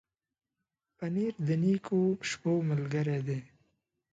پنېر د نېکو شپو ملګری دی.